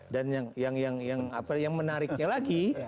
dan yang menariknya lagi